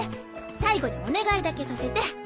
最後にお願いだけさせて。